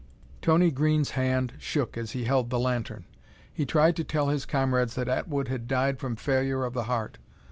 Tony Green's hand shook as he held the lantern. He tried to tell his comrades that Atwood had died from failure of the heart.